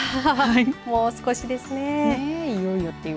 もう少しですね。